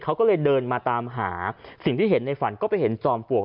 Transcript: เขาก็เลยเดินมาตามหาสิ่งที่เห็นในฝันก็ไปเห็นจอมปลวก